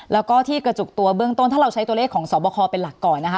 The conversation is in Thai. แล้วก็ที่กระจุกตัวเบื้องต้นถ้าเราใช้ตัวเลขของสอบคอเป็นหลักก่อนนะคะ